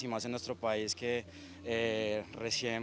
ini akan menjadi suatu sokongan untuk keamanan